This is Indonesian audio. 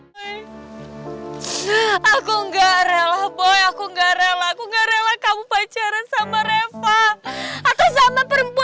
hai aku enggak rela boy aku enggak rela aku enggak rela kamu pacaran sama reva atau sama perempuan